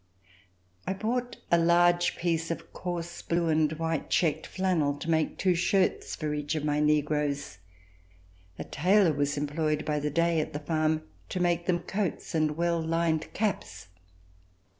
I bought a large piece of coarse blue and white checked flannel to make two shirts for each of my negroes. A tailor was employed by the day at the farm to make them coats and well lined caps.